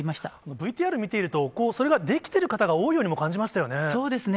ＶＴＲ見ていると、それができてる方が多いようにも感じましたよね。